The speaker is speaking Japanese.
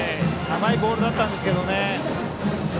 甘いボールだったんですけどね。